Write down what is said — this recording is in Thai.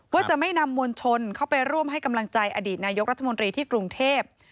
ก็จะไม่นำมวลชนเข้าไปร่วมให้กำลังใจอดีตนายกรัฐมนตรีที่กรุงเทพ